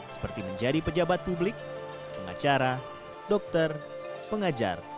seperti menjadi pejabat publik pengacara dokter pengajar